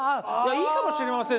いいかもしれません。